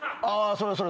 それそれ。